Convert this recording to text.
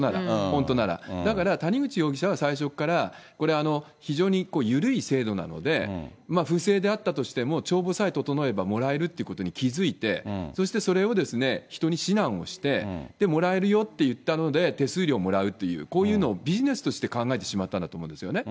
本当なら、だから谷口容疑者は最初から、これ、非常に緩い制度なので、不正であったとしても、帳簿さえ調えばもらえるってことに気付いて、そしてそれを人に指南をして、もらえるよって言ったので、手数料もらうっていう、こういうのをビジネスとして考えてしまったんだと思うんですよね。